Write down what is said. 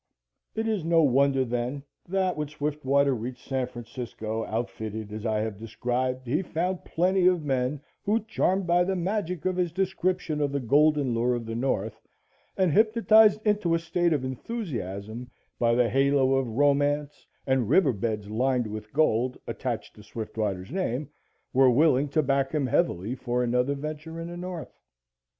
It is no wonder then, that when Swiftwater reached San Francisco outfitted as I have described, he found plenty of men, who, charmed by the magic of his description of the golden lure of the North and hypnotized into a state of enthusiasm by the halo of romance and river beds lined with gold attached to Swiftwater's name, were willing to back him heavily for another venture in the North.